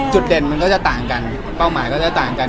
จุดเด่นมันก็จะต่างกันเป้าหมายก็จะต่างกัน